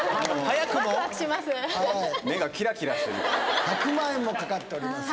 早い１００万円もかかっております